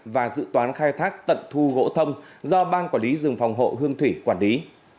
và dự toán khai thác tận thu gỗ thâm do ban quản lý rừng phòng hộ hương thủy quản lý